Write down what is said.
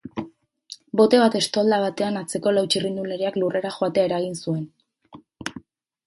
Bote bat estolda batean atzeko lau txirrindulariak lurrera joatea eragin zuen.